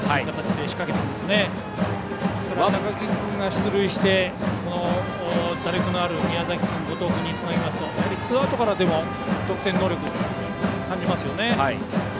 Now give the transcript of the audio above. ですから、高木君が出塁して打力のある宮崎君、後藤君につなげますとやはりツーアウトからでも得点能力を感じますよね。